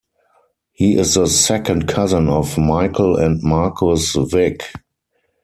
He is the second cousin of Michael and Marcus Vick.